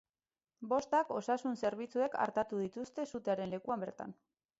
Bostak osasun zerbitzuek artatu dituzte sutearen lekuan bertan.